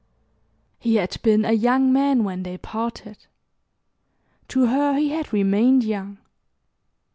He had been a young man when they parted. To her he had remained young.